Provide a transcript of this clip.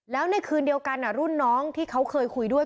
แล้วในคืนเดียวกันรุ่นน้องที่เขาเคยคุยด้วย